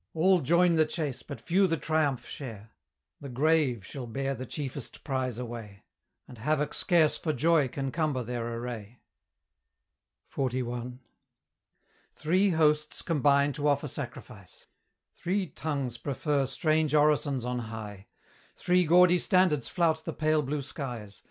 All join the chase, but few the triumph share: The Grave shall bear the chiefest prize away, And Havoc scarce for joy can cumber their array. XLI. Three hosts combine to offer sacrifice; Three tongues prefer strange orisons on high; Three gaudy standards flout the pale blue skies.